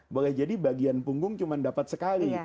boleh jadi bagian punggung cuma dapat sekali